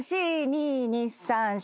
２・２・３・４。